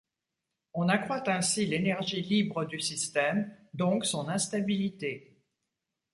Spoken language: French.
On accroît ainsi l'énergie libre du système, donc son instabilité.